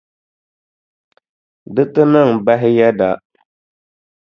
Di ti niŋ bahi yɛda.